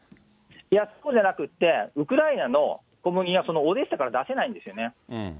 いや、そうじゃなくて、ウクライナの小麦はオデーサから出せないんですよね。